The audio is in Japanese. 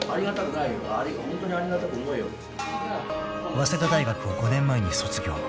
［早稲田大学を５年前に卒業］